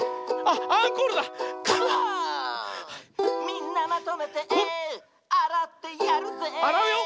「みんなまとめてあらってやるぜ」